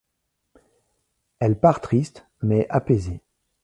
Elle part triste, mais apaisée.